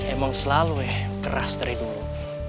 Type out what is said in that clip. emang selalu ya keras dari dulu